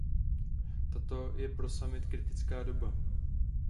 Toto je pro summit kritická doba.